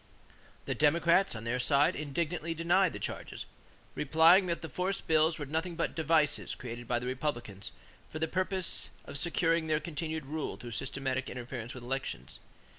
The Democrats, on their side, indignantly denied the charges, replying that the force bills were nothing but devices created by the Republicans for the purpose of securing their continued rule through systematic interference with elections.